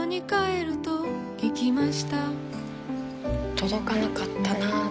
届かなかったな。